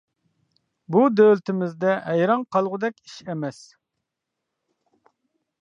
بۇ دۆلىتىمىزدە ھەيران قالغۇدەك ئىش ئەمەس.